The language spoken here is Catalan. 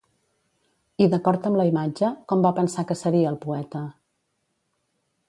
I d'acord amb la imatge, com va pensar que seria el poeta?